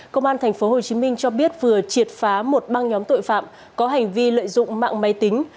công an tp hcm cho biết vừa triệt phá một băng nhóm tội phạm có hành vi lợi dụng mạng máy tính